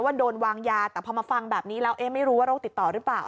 โดนวางยาแต่พอมาฟังแบบนี้แล้วไม่รู้ว่าโรคติดต่อหรือเปล่า